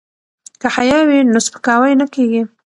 که حیا وي نو سپکاوی نه کیږي.